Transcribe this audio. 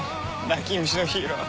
泣き虫のヒーロー。